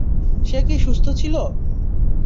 সে কি সুস্থ ছিল?